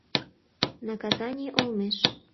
Наказаний олмеш.